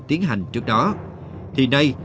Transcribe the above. tiến hành trước đó thì nay